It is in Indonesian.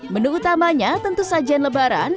menu utamanya tentu sajian lebaran